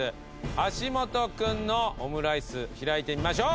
橋本君のオムライス開いてみましょう。